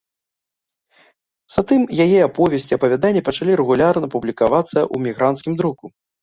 Затым яе аповесці, апавяданні пачалі рэгулярна публікавацца ў эмігранцкім друку.